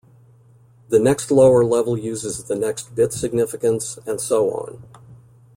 The next lower level uses the next bit significance, and so on.